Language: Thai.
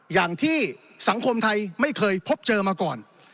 อย่างที่สังคมไทยไม่เคยพบเจอมาก่อน